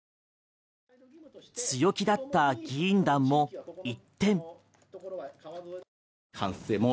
強気だった議員団も一転。